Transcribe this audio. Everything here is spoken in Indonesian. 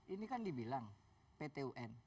ini kan dibilang pt un